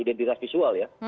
identitas visual ya